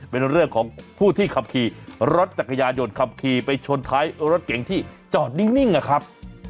เป็นเรื่องของผู้ที่ขับขี่รถจักรยานยนต์ขับขี่ไปชนท้ายรถเก่งที่จอดนิ่งนะครับ